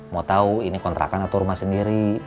mau tahu ini kontrakan atau rumah sendiri